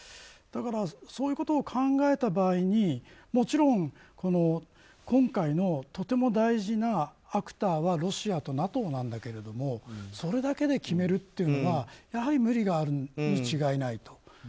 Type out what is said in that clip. だからそういうことを考えた場合にもちろん、今回もとても大事なファクターはロシアとＮＡＴＯなんだけれどもそれだけで決めるというのはやはり無理があるに違いないと。